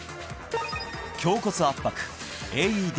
胸骨圧迫ＡＥＤ